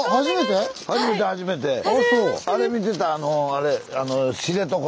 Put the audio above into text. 初めて初めて。